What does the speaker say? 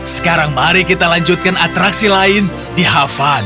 sekarang mari kita lanjutkan atraksi lain di hafan